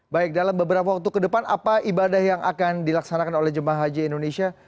baik dalam beberapa waktu ke depan apa ibadah yang akan dilaksanakan oleh jemaah haji indonesia